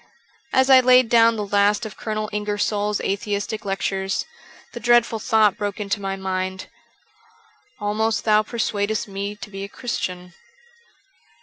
As I laid down the last of Colonel Ingersoll's atheistic lectures, the dreadful thought broke into my mind, * Almost thou persuadest me to be a Christian.'